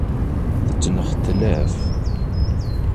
Tettenxetlaf.